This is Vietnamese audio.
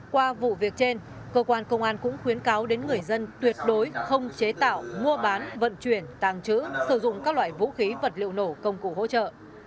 qua vụ việc trên cơ quan công an cũng khuyến cáo đến người dân tuyệt đối không chế tạo mua bán vận chuyển tàng trữ sử dụng các loại vũ khí vật liệu nổ công cụ hỗ trợ